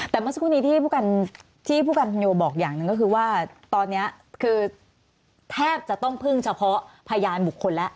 แต่เมื่อสักครู่นี้ที่ผู้การธนโยบอกอย่างหนึ่งก็คือว่าตอนนี้คือแทบจะต้องพึ่งเฉพาะพยานบุคคลแล้ว